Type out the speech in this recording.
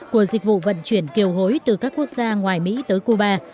của dịch vụ vận chuyển kiều hối từ các quốc gia ngoài mỹ tới cuba